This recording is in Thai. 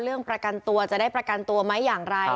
ประกันตัวจะได้ประกันตัวไหมอย่างไร